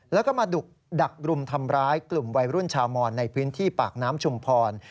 แล้วก็มาดักรุมทำร้ายกลุ่มวัยรุ่นชาวมอนในพื้นที่ปากน้ำชุมพร